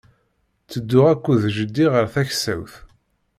Tedduɣ akked jeddi ɣer taksawt.